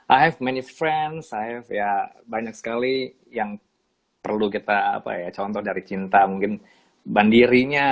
i have many friends i have ya banyak sekali yang perlu kita apa ya contoh dari cinta mungkin bandirinya